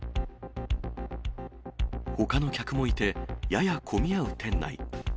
ほかの客もいて、やや混み合う店内。